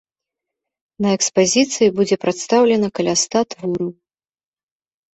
На экспазіцыі будзе прадстаўлена каля ста твораў.